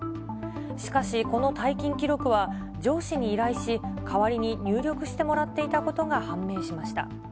しかし、この退勤記録は上司に依頼し、代わりに入力してもらっていたことが判明しました。